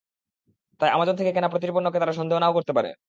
তাই আমাজন থেকে কেনা প্রতিটি পণ্যকে তাঁরা সন্দেহ নাও করতে পারে।